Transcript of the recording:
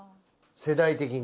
世代的に。